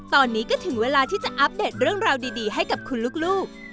ตอนนี้ก็ถึงเวลาที่จะอัปเดตเรื่องราวดีให้กับคุณลูก